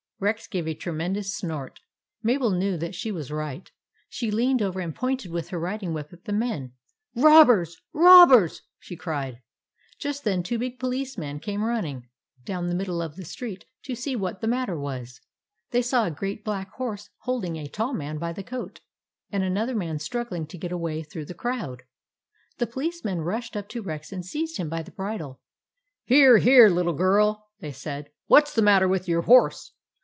M Rex gave a tremendous snort. Mabel knew that she was right. She leaned over and pointed with her riding whip at the men. " Robbers ! Robbers !" she cried. Just then two big policemen came run ning down the middle of the street to see what the matter was. They saw a great black horse holding a tall man by the coat, and another man struggling to get away through the crowd. The policemen rushed up to Rex and seized him by the bridle. " Here, here, little girl," they said ;" what s the matter with your horse